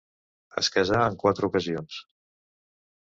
Es casà en quatre ocasions.